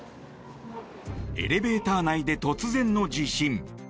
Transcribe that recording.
エレベーター内で突然の地震。